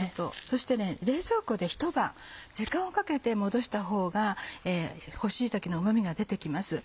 そして冷蔵庫でひと晩時間をかけてもどしたほうが干し椎茸のうま味が出て来ます。